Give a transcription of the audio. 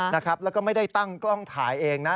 แล้วก็ไม่ได้ตั้งกล้องถ่ายเองนะ